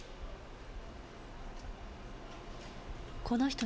この人ね。